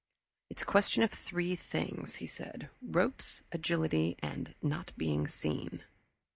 "It's a question of three things," he said. "Ropes, agility, and not being seen."